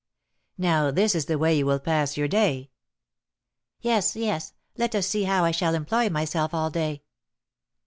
"Now this is the way you will pass your day " "Yes, yes, let us see how I shall employ myself all day."